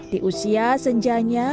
di usia senjanya